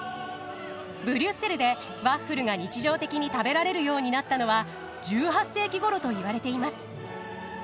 ブリュッセルでワッフルが日常的に食べられるようになったのは１８世紀ごろといわれています。